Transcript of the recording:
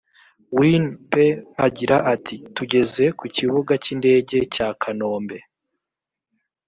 win pe agira ati tugeze ku kibuga cy’indege cya kanombe